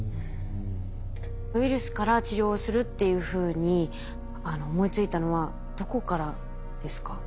ウイルスから治療をするっていうふうに思いついたのはどこからですか？